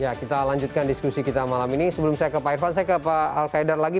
ya kita lanjutkan diskusi kita malam ini sebelum saya ke pak irfan saya ke pak al qaedar lagi